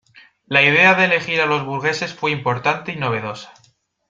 La idea de elegir a los Burgueses fue importante y novedosa.